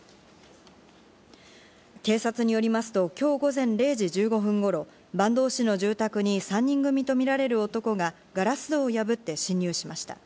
警察によりますと今日午前０時１５分頃、坂東市の住宅に３人組とみられる男がガラス戸を破って侵入しました。